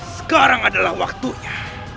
sekarang adalah waktunya